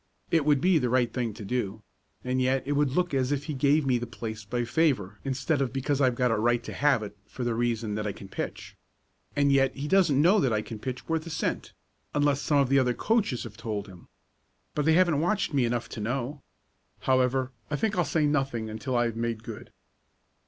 "It would be the right thing to do, and yet it would look as if he gave me the place by favor instead of because I've got a right to have it, for the reason that I can pitch. And yet he doesn't know that I can pitch worth a cent, unless some of the other coaches have told him. But they haven't watched me enough to know. However, I think I'll say nothing until I have made good."